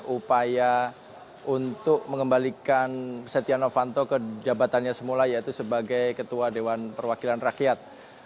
upaya untuk mengembalikan setia novanto ke jabatannya semula yaitu sebagai ketua dewan perwakilan rakyat